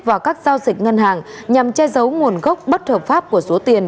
vào các giao dịch ngân hàng nhằm che giấu nguồn gốc bất hợp pháp của số tiền